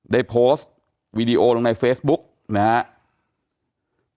ได้โพสต์วีดีโอลงในเฟซบุ๊กนะครับ